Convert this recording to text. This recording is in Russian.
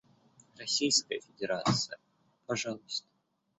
Российская Федерация, пожалуйста.